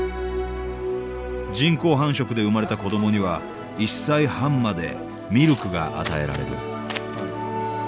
人工繁殖で生まれた子どもには１歳半までミルクが与えられる。